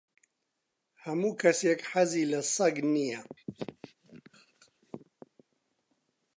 ھەموو کەسێک حەزی لە سەگ نییە.